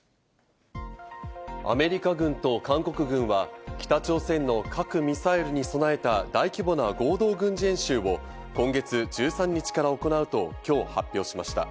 アメリカ軍と韓国軍は北朝鮮の核・ミサイルに備えた大規模な合同軍事演習を今月１３日から行うと今日発表しました。